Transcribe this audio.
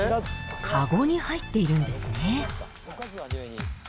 カゴに入っているんですね。